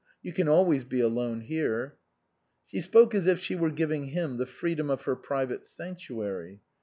You can always be alone here." She spoke as if she were giving him the free dom of her private sanctuary.